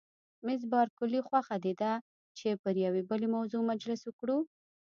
مس بارکلي: خوښه دې ده چې پر یوې بلې موضوع مجلس وکړو؟